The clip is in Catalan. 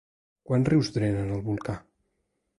Quants rius drenen el volcà?